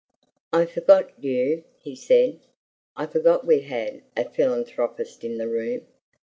"I forgot YOU!" he said. "I forgot we had a philanthropist in the room.